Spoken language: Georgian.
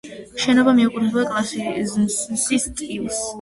შენობა მიეკუთვნება კლასიციზმის სტილს.